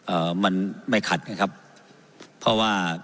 เอ่อมันไม่ขัดนะครับเพราะว่า